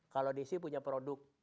kalau desy punya produk